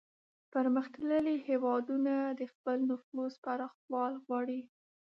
پرمختللي هیوادونه د خپل نفوذ پراخول غواړي